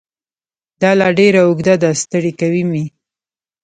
دا لار ډېره اوږده ده ستړی کوی مې